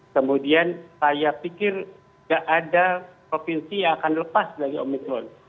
kemudian saya pikir tidak ada provinsi yang akan lepas dari omikron